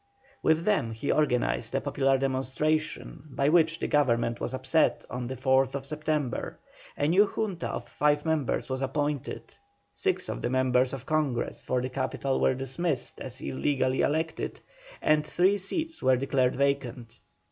With them he organized a popular demonstration by which the Government was upset on the 4th September, a new Junta of five members was appointed, six of the members of Congress for the capital were dismissed as illegally elected, and three seats were declared vacant.